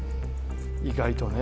意外とね。